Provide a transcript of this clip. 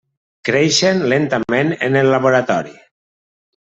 Creixen lentament en el laboratori.